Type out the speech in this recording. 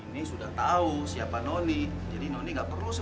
mas kok perasaan aku malam ini nggak enak ya